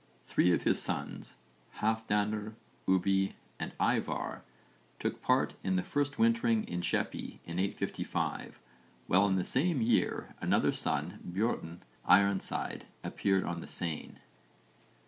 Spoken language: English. Three of his sons Halfdanr, Ubbi and Ívarr took part in the first wintering in Sheppey in 855, while in the same year another son Björn Ironside appeared on the Seine.